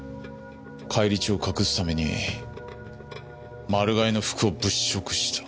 返り血を隠すためにマルガイの服を物色した。